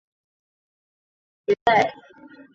中华光尾鲨为猫鲨科光尾鲨属的鱼类。